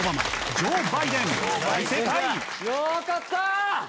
よかったー！